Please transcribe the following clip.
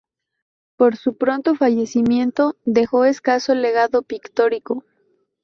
Por su pronto fallecimiento dejó escaso legado pictórico.